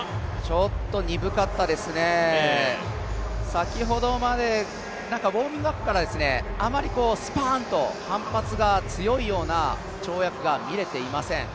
ちょっと鈍かったですね、先ほどまでウォーミングアップからあまりスパンと反発が強いような跳躍が見れていません。